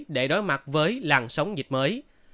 để đối mặt với làng sóng dịch mới